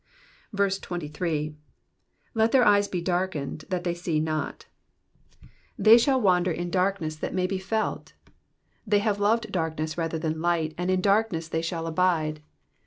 23. '''Let their eyes he darkened, that they see not,'*^ They shall wander in a darkness that may be felt. They have loved darkness rather than light, and in darkness they shall abide.